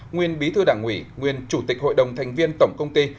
nguyên bí thư đảng ủy nguyên chủ tịch hội đồng thành viên tổng công ty